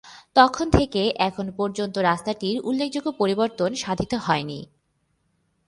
তখন থেকে এখন পর্যন্ত রাস্তাটির উল্লেখযোগ্য পরিবর্তন সাধিত হয়নি।